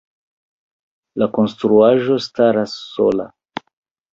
La konstruaĵo staras sola.